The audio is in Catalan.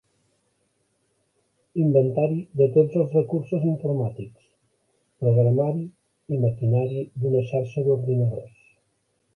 Inventari de tots els recursos informàtics: programari i maquinari d'una xarxa d'ordinadors.